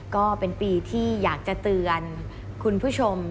ก็เป็นปีที่อยากจะเตือนคุณผู้ชม